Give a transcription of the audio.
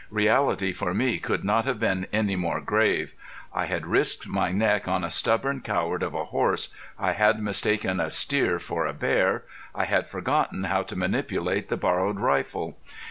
Reality for me could not have been any more grave. I had risked my neck on a stubborn coward of a horse, I had mistaken a steer for a bear, I had forgotten how to manipulate the borrowed rifle.